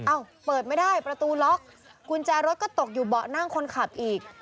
เปิดไม่ได้ประตูล็อกกุญแจรถก็ตกอยู่เบาะนั่งคนขับอีก